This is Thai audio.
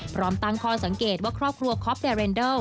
พร้อมตั้งข้อสังเกตว่าครอบครัวคอปเดเรนเดอร์